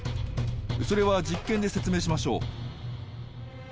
それは実験で説明しましょう。